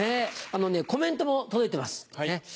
コメントも届いてます。